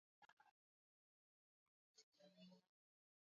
faida zaidi za viazi vingine